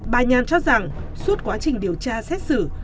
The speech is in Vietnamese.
bà nhàn cho rằng suốt quá trình điều tra xét xử